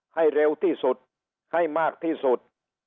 ให้เร็วที่สุดให้มากที่สุด